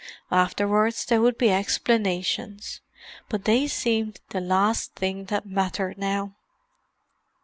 Afterwards there would be explanations; but they seemed the last thing that mattered now.